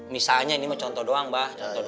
misalnya ini mah contoh doang mbah